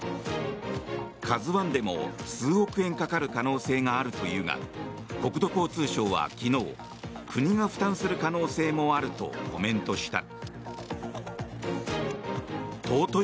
「ＫＡＺＵ１」でも数億円かかる可能性があるというが国土交通省は昨日国が負担する可能性もあるとコメントした。